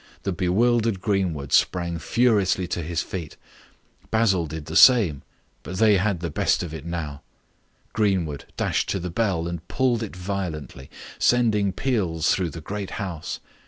The bewildered Greenwood sprang furiously to his feet. Basil did the same. But they had the best of it now. Greenwood dashed to the bell and pulled it violently, sending peals through the great house.